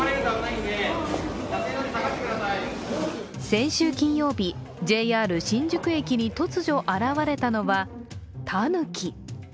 先週金曜日、ＪＲ新宿駅に突如現れたのは、たぬき。